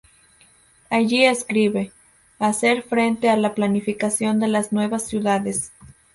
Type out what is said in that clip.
Allí escribe: "...hacer frente a la planificación de las nuevas ciudades.